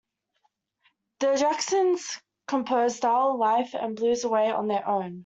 The Jacksons composed "Style of Life" and "Blues Away" on their own.